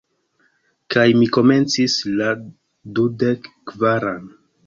Kaj mi komencis la dudekkvaran.